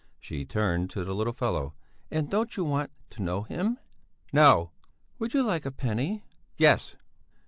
She turned to the little fellow: "And don't you want to know him?" "No!" "Would you like a penny?" "Yes!"